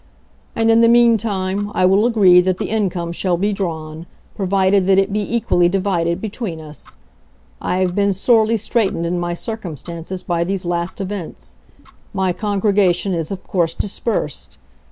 And in the meantime, I will agree that the income shall be drawn, provided that it be equally divided between us. I have been sorely straitened in my circumstances by these last events. My congregation is of course dispersed.